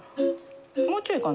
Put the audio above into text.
もうちょいかな？